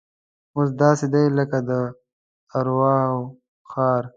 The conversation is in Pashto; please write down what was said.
اوس داسې دی لکه د ارواو ښار.